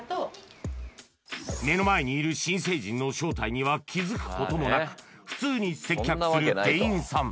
目の前にいる新成人の正体には気づくこともなく普通に接客する店員さん